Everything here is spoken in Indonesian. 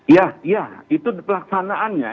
iya iya itu pelaksanaannya